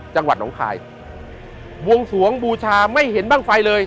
จังหวัดน้องคายวงสวงบูชาไม่เห็นบ้างไฟเลย